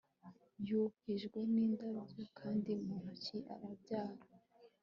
Yahujwe nindabyo kandi mu ntoki arabyara